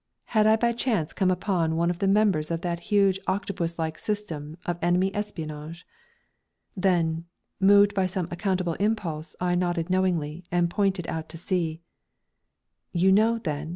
Had I by chance come upon one of the members of that huge octopus like system of enemy espionage? Then, moved by some unaccountable impulse, I nodded knowingly, and pointed out to sea. "You know, then?"